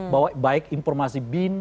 bahwa baik informasi bin